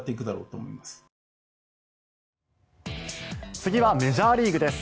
次はメジャーリーグです。